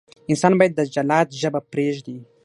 انسان باید د جلاد ژبه پرېږدي.